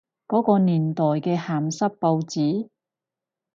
嗰個年代嘅鹹濕報紙？